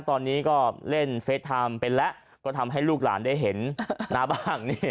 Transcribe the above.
ตอนนี้ก็เล่นเฟสไทม์เป็นแล้วก็ทำให้ลูกหลานได้เห็นหน้าบ้าง